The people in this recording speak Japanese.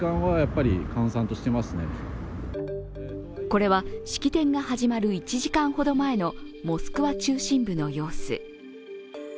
これは式典が始まる１時間ほど前のモスクワ中心部の様子。